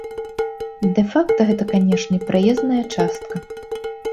Дэ-факта гэта, канешне, праезная частка.